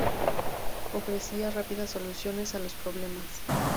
Ofrecía rápidas soluciones a los problemas.